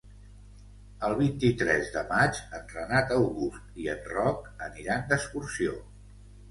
El vint-i-tres de maig en Renat August i en Roc aniran d'excursió.